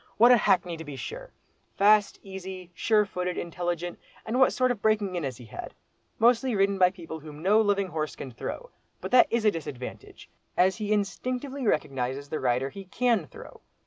What a hackney to be sure!—fast, easy, sure footed, intelligent—and what sort of breaking in has he had? Mostly ridden by people whom no living horse can throw; but that is a disadvantage—as he instinctively recognises the rider he can throw.